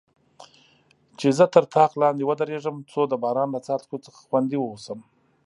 چې زه تر طاق لاندې ودریږم، څو د باران له څاڅکو څخه خوندي واوسم.